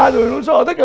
rồi nó sợ tất cả